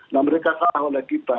nah mereka kalah oleh kita